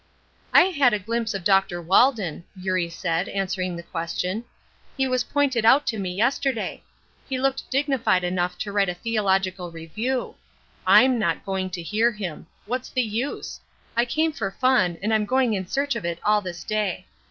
"I had a glimpse of Dr. Walden," Eurie said, answering the question. "He was pointed out to me yesterday. He looked dignified enough to write a theological review. I'm not going to hear him. What's the use? I came for fun, and I'm going in search of it all this day.